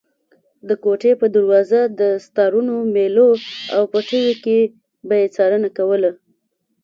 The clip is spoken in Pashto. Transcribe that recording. د کوټې په دروازه، دستارونو، مېلو او پټیو کې به یې څارنه کوله.